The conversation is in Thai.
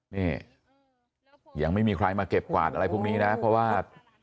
นี่ยังไม่มีใครมาเก็บกวาดอะไรพวกนี้นะเพราะว่า